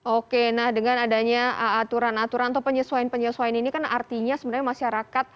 oke nah dengan adanya aturan aturan atau penyesuaian penyesuaian ini kan artinya sebenarnya masyarakat